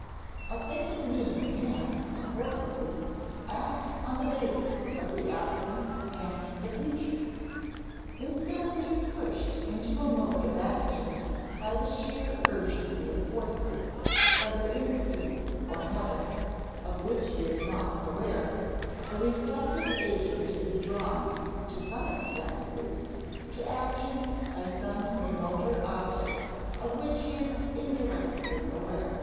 A thinking being can, accordingly, act on the basis of the absent and the future. Instead of being pushed into a mode of action by the sheer urgency of forces, whether instincts or habits, of which he is not aware, a reflective agent is drawn (to some extent at least) to action by some remoter object of which he is indirectly aware.